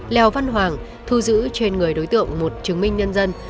leo văn hoàng thu giữ trên người đối tượng một chứng minh nhân dân